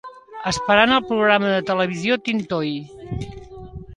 Esperant el programa de televisió Tin Toy